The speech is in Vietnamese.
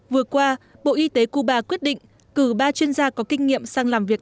vừa qua bộ y tế cuba quyết định cử ba chuyên gia có kinh nghiệm sang làm việc